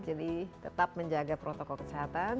jadi tetap menjaga protokol kesehatan